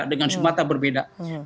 dengan sumatera berbeda